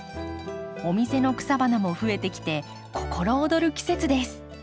お店の草花も増えてきて心躍る季節です。